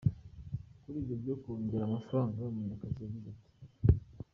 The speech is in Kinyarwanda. Kuri ibyo byo kongera amafaranga Munyakazi yagize ati:.